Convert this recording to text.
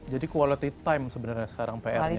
jadi quality time sebenarnya sekarang pr nya berarti ya